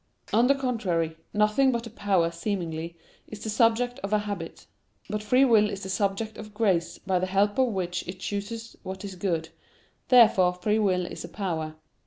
On the contrary, Nothing but a power, seemingly, is the subject of a habit. But free will is the subject of grace, by the help of which it chooses what is good. Therefore free will is a power.